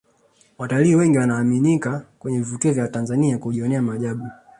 watalii wengi wanamiminika kwenye vivutio vya tanzania kujionea maajabu